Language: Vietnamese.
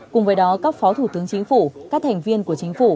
cùng với đó các phó thủ tướng chính phủ các thành viên của chính phủ